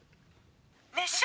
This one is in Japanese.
熱唱！